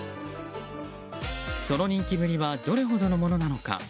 その人気ぶりはどれほどのものなのか。